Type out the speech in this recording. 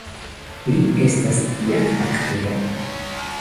Li estas tia karaktero.